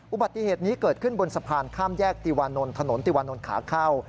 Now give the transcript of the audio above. อุบัติเหตุนี้เกิดขึ้นบนสะพานข้ามแยกติวานนท์ถนนติวานนท์ขาเข้า